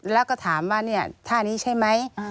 แล้วก็ถามว่าท่านี้ใช่ไหม